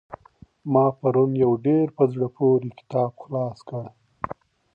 ما پرون يو ډېر په زړه پوري کتاب خلاص کړ.